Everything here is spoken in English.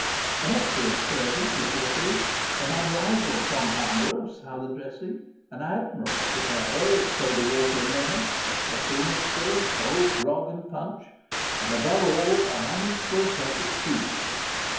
An excellent servant Nicholas is an unrivalled com pounder of salad dressing an admirable preparer of soda water and lemon a special mixer of cold grog and punch and, above all, an unequalled judge of cheese.